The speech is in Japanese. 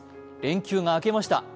連休が明けました。